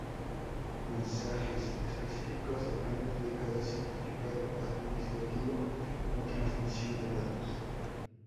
Mensajes Específicos: Depende de cada certificado administrativo o transmisión de datos.